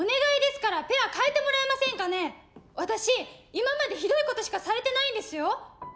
今までひどいことしかされてないんですよ。